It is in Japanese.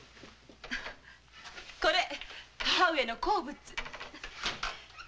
これ母上の好物。